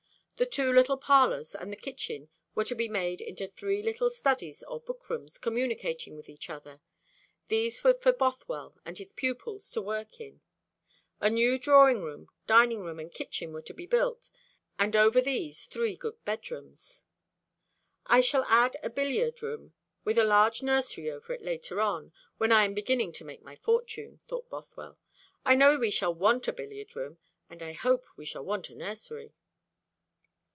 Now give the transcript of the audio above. The two little parlours and the kitchen were to be made into three little studies or bookrooms, communicating with each other. These were for Bothwell and his pupils to work in. A new drawing room, dining room, and kitchen were to be built, and over these three good bedrooms. "I shall add a billiard room with a large nursery over it later on, when I am beginning to make my fortune," thought Bothwell. "I know we shall want a billiard room; and I hope we shall want a nursery."